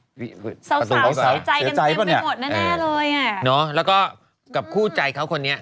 สาวสาวใจกันเต็มไปหมดแน่แน่เลยอ่ะเนอะแล้วก็กับคู่ใจเขาคนนี้